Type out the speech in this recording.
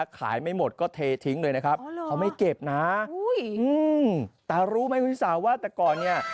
ไม่หมดก็เททิ้งเลยนะครับเขาไม่เก็บนะแต่รู้ไหมคุณพี่สาวว่าแต่ก่อนเนี่ย